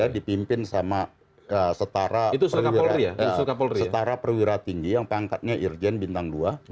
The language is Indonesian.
dipimpin sama setara perwira tinggi yang pangkatnya irjen bintang dua